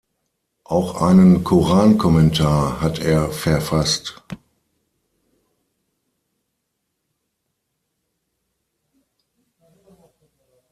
Auch einen Korankommentar hat er verfasst.